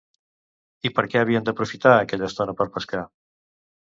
I per què havien d'aprofitar aquella estona per pescar?